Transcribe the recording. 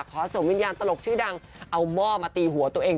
เคาะเสี่ยววินยาลตะหลกชื่อดังเอาม่อมาตีหัวตัวเอง